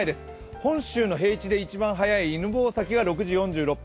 本州の平地で一番早い犬吠埼で６時４６分。